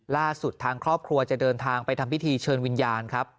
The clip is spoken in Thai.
ล่าสุดทางครอบครัวจะเดินทางไปทำพิธีเชิญวิญญาณครับ